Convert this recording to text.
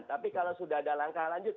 tapi kalau sudah ada langkah lanjut